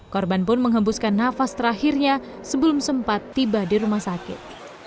korban pun menghembuskan nafas terakhirnya sebelum sempat tiba di rumah sakit